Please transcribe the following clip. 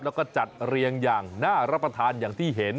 แล้วก็จัดเรียงอย่างน่ารับประทานอย่างที่เห็น